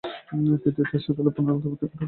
তৃতীয় টেস্টে দলে পুনরায় অন্তর্ভূক্তি ঘটে তার।